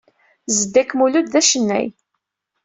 Zeddak Mulud, d acennay.